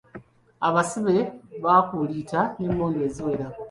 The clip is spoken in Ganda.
Abasibe baakuulita n'emmundu eziwera.